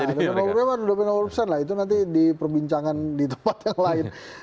dp rupiah dp rupiah itu nanti di perbincangan di tempat yang lain